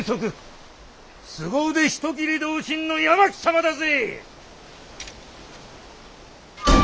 すご腕人斬り同心の八巻様だぜ！